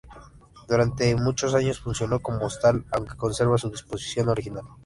Durante muchos años funcionó como hostal, aunque conserva su disposición original.